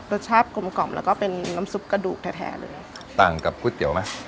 รสชาติกลมกล่อมแล้วก็เป็นน้ำซุปกระดูกแท้แท้เลยต่างกับก๋วยเตี๋ยวไหม